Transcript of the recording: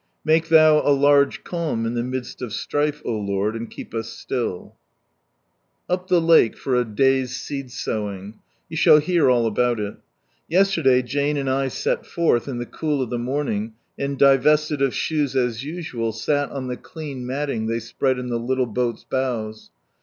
" Make Thou a large calm in the midst of strife," O Lord, and keep us still ! Up the lake for a day's seed sowing. You shall hear all about it. Yesterday Jane and I set forth in the cool of the morning, and divested of shoes as usual, sat on the clean matting they spread in the little boat's bows.